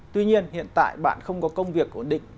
tuy nhiên hiện tại bạn không có công việc ổn định